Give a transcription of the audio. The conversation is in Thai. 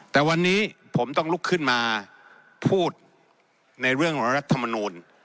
แต่วันนี้ผมต้องลุกขึ้นมาพูดในเรื่องรัฐมนูล